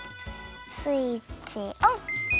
スイッチオン！